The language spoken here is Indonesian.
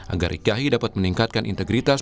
agar ikyahi dapat meningkatkan integritas